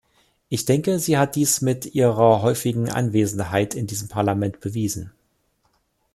Ich denke, sie hat dies mit ihrer häufigen Anwesenheit in diesem Parlament bewiesen.